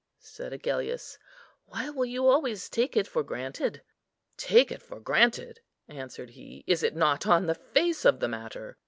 said Agellius; "why will you always take it for granted?" "Take it for granted!" answered he, "is it not on the face of the matter?